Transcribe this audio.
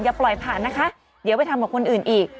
ปล่อยผ่านนะคะเดี๋ยวไปทำกับคนอื่นอีก